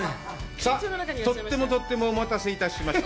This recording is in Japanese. さあ、とってもとってもお待たせいたしました。